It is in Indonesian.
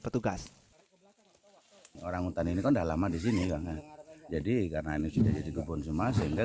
petugas orangutan ini kondal lama di sini banget jadi karena ini sudah jadi kebun semasa hingga